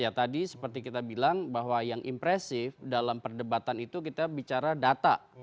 ya tadi seperti kita bilang bahwa yang impresif dalam perdebatan itu kita bicara data